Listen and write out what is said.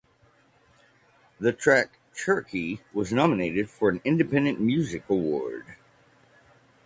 The track "Cherokee" was nominated for an Independent Music Award.